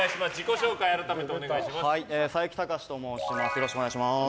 よろしくお願いします。